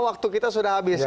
waktu kita sudah habis